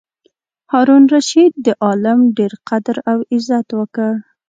هارون الرشید د عالم ډېر قدر او عزت وکړ.